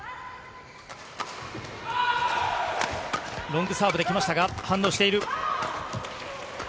ロングサーブできましたが反応している。